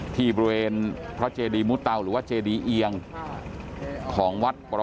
ที่บริเวณพระเจดีมุเตาหรือว่าเจดีเอียงของวัดปร